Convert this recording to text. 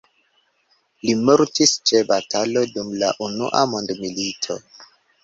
Li mortis ĉe batalo dum la unua mondmilito.